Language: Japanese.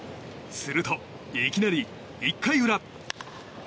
すると、いきなり１回裏。